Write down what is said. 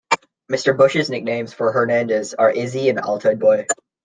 Mr. Bush's nicknames for Hernandez are Izzy and Altoid Boy.